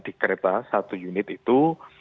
di kereta satu unit itu